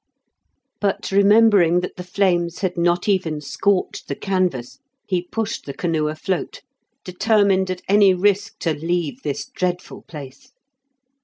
But remembering that the flames had not even scorched the canvas, he pushed the canoe afloat, determined at any risk to leave this dreadful place.